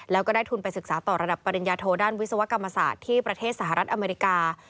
แล้วก็ได้ทุนไปศึกษาต่อระดับปริญญาโทด้านวิศวกรรมศาสตร์ที่ประเทศสหรัฐอเมริกา